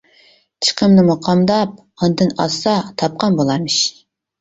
چىقىمنىمۇ قامداپ ئاندىن ئاشسا تاپقان بولارمىز.